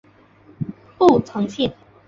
步曾槭